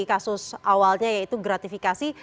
kasus awalnya yaitu gratifikasi